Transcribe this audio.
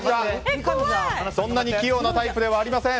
そんなに器用なタイプではありません。